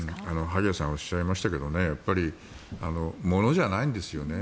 萩谷さんがおっしゃいましたけどやっぱりものじゃないんですよね。